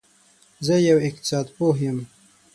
زه یو اقتصاد پوه یم